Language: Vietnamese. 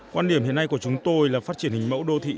quan điểm hiện nay của chúng tôi là phát triển hình mẫu đô thị